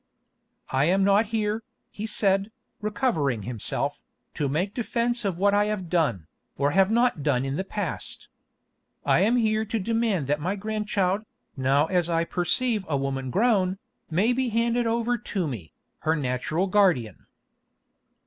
"I am not here," he said, recovering himself, "to make defence of what I have done, or have not done in the past. I am here to demand that my grandchild, now as I perceive a woman grown, may be handed over to me, her natural guardian."